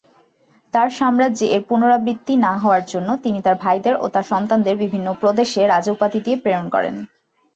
তার সাম্রাজ্যে এর পুনরাবৃত্তি না হওয়ার জন্য তিনি তার ভাইদের ও তাদের সন্তানদের বিভিন্ন প্রদেশে রাজা উপাধি দিয়ে প্রেরণ করেন।